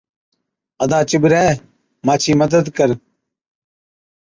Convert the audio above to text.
’ادا چِٻرَي، مانڇِي مدد ڪر‘۔